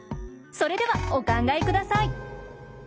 それではお考えください。